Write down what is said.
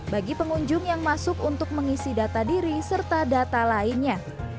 bagi pengunjung yang masuk untuk mengisi data diri serta data lainnya